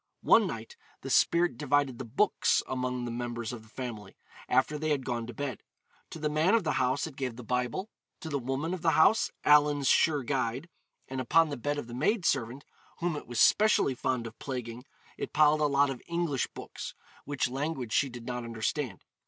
One night the spirit divided the books among the members of the family, after they had gone to bed. To the man of the house it gave the Bible, to the woman of the house 'Allen's Sure Guide,' and upon the bed of the maid servant (whom it was specially fond of plaguing) it piled a lot of English books, which language she did not understand.